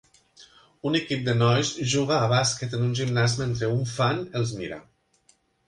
Un equip de nois juga a bàsquet en un gimnàs mentre un fan els mira.